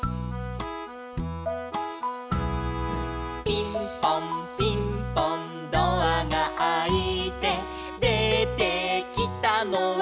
「ピンポンピンポンドアがあいて」「出てきたのは」